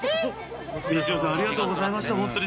「道代さんありがとうございました」